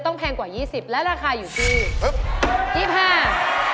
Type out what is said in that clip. แพงกว่า๒๐และราคาอยู่ที่๒๕บาท